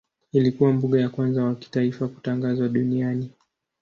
Ilikuwa mbuga ya kwanza wa kitaifa kutangazwa duniani.